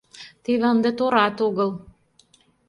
Теве ынде торат огыл.